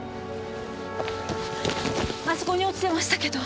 あそこに落ちてましたけど。